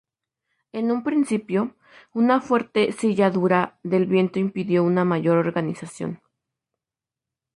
En un principio, una fuerte cizalladura del viento impidió una mayor organización.